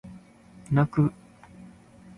泣く